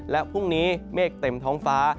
และพรุ่งนี้เมฆเต็มท้องฟ้า